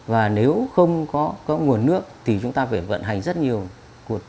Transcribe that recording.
và nếu không có nguồn nước thì chúng ta phải vận hành rất nghiêm túc